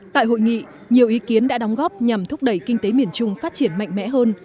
tại hội nghị nhiều ý kiến đã đóng góp nhằm thúc đẩy kinh tế miền trung phát triển mạnh mẽ hơn